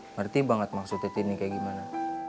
ngerti banget maksudnya ini kayak gimana